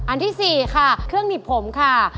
อันที่๔ค่ะเครื่องหนีบผมค่ะ